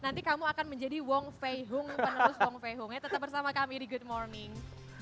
nanti kamu akan menjadi wong fei hung penerus wong fei hung ya tetap bersama kami di good morning